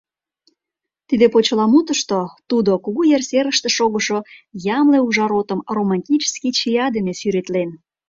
Тиде почеламутышто тудо кугу ер серыште шогышо ямле ужар отым романтический чия дене сӱретлен.